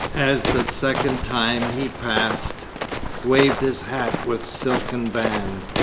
As the second time he passed Waved his hat with silken band.